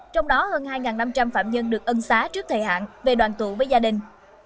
trong đó hơn hai năm trăm linh phạm nhân được ân xá trước thời hạn về đoàn tụ với gia đình